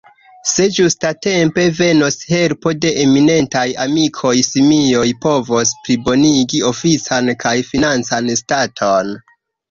Se ĝustatempe venos helpo de eminentaj amikoj, Simioj povos plibonigi ofican kaj financan staton.